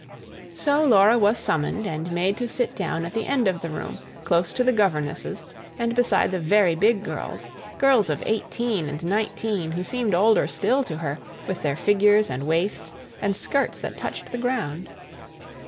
So Laura was summoned and made to sit down at the end of the room, close to the governesses and beside the very big girls girls of eighteen and nineteen, who seemed older still to her, with their figures, and waists, and skirts that touched the ground.